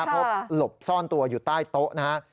เพราะหลบซ่อนตัวอยู่ใต้โต๊ะนะครับ